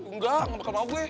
enggak gak bakal mau gue